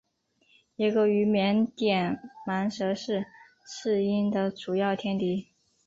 野狗与缅甸蟒蛇是赤麂的主要天敌。